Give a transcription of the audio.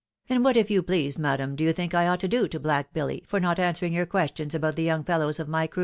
" And what, if you please, madam, do you think I ought to do to Black Billy, for not answering your questions about the young fellows of my crew